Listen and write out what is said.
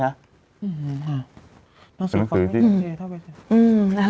น้องสูงฝังไม่ได้